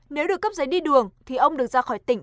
nếu được cấp giấy đi đường thì ông được ra khỏi tỉnh